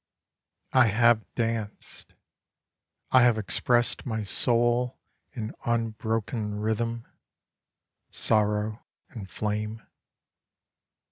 I have danced: I have expressed my soul In unbroken rhythm, Sorrow, and flame.